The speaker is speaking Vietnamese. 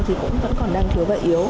thì cũng vẫn còn đang thiếu và yếu